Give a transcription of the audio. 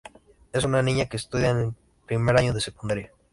Es una niña que estudia en primer año de secundaria.